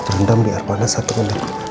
rendam di air panas satu menit